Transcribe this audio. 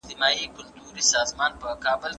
ولي زیارکښ کس د با استعداده کس په پرتله ډېر مخکي ځي؟